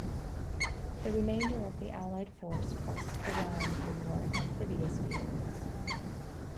The remainder of the Allied force crossed the Rhine in more amphibious vehicles.